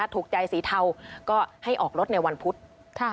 ถูกใจสีเทาก็ให้ออกรถในวันพุธ